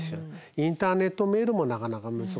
インターネットメールもなかなか難しい。